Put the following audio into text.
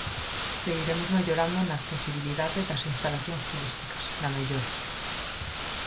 Seguiremos mellorando na accesibilidade das instalacións turísticas, na mellora.